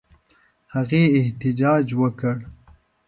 هغې احتجاج وکړ.